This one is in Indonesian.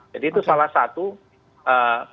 jadi itu salah satu pr bagi kita bagian yang lebih tinggi